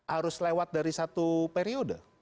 harus lewat dari satu periode